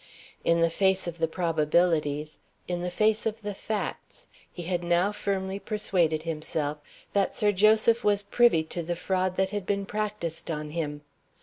In the face of the probabilities, in the face of the facts, he had now firmly persuaded himself that Sir Joseph was privy to the fraud that had been practiced on him.